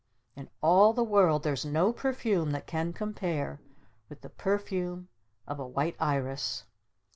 In all the world there's no perfume that can compare with the perfume of a White Iris!